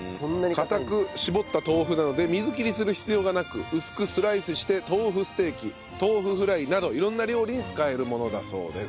かたく絞った豆腐なので水切りする必要がなく薄くスライスして豆腐ステーキ豆腐フライなど色んな料理に使えるものだそうです。